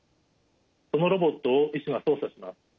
そのロボットを医師が操作します。